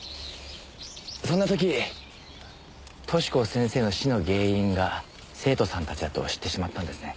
そんな時寿子先生の死の原因が生徒さんたちだと知ってしまったんですね。